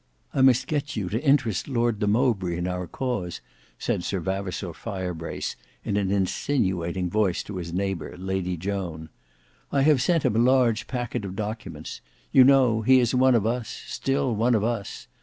"I must get you to interest Lord de Mowbray in our cause," said Sir Vavasour Firebrace, in an insinuating voice to his neighbour, Lady Joan; "I have sent him a large packet of documents. You know, he is one of us; still one of us.